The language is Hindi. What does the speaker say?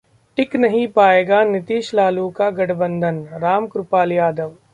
टिक नहीं पाएगा नीतीश-लालू का गठबंधन: राम कृपाल यादव